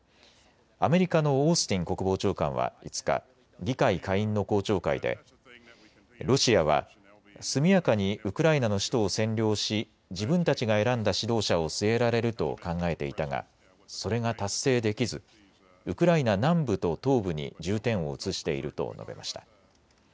アメリカのオースティン国防長官は５日、議会下院の公聴会でロシアは速やかにウクライナの首都を占領し自分たちが選んだ指導者を据えられると考えていたがそれが達成できずウクライナ南部と東部に重点を移していると述べました。